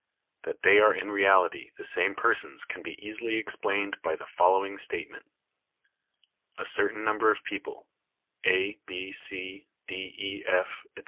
That they are in reality the same persons can be easily explained by the following statement: "A certain number of people, A, B, C, D, E, F, etc.